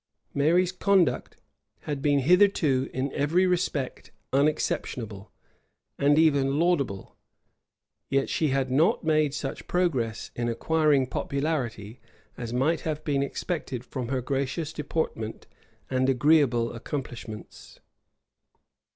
Mary's conduct had been hitherto in every respect unexceptionable, and even laudable; yet had she not made such progress in acquiring popularity, as might have been expected from her gracious deportment and agreeable accomplishments.